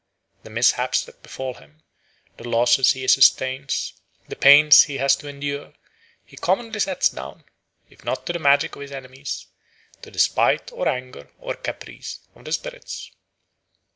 The mishaps that befall him, the losses he sustains, the pains he has to endure, he commonly sets down, if not to the magic of his enemies, to the spite or anger or caprice of the spirits.